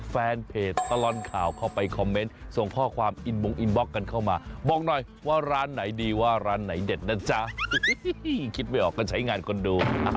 แฟนเพจตลอดข่าวเข้าไปคอมเมนต์ส่งข้อความอินบงอินบล็อกกันเข้ามาบอกหน่อยว่าร้านไหนดีว่าร้านไหนเด็ดนะจ๊ะคิดไม่ออกก็ใช้งานคนดู